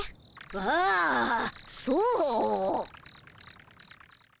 ああそう。